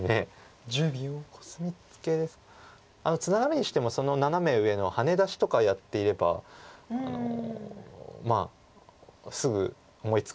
コスミツケツナがるにしてもそのナナメ上のハネ出しとかやっていればまあすぐ思いつく形だったと思うんですけども。